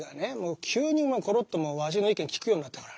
急にコロッとわしの意見聞くようになったからね。